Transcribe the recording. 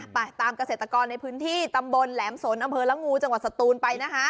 ไปตามเกษตรกรในพื้นที่ตำบลแหลมสนอำเภอละงูจังหวัดสตูนไปนะคะ